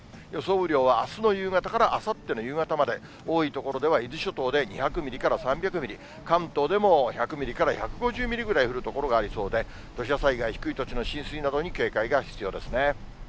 雨量は、あすの夕方からあさっての夕方まで多い所では伊豆諸島で２００ミリから３００ミリ、関東でも１００ミリから１５０ミリぐらい降る所がありそうで、土砂災害、低い土地の浸水などに警戒が必要ですね。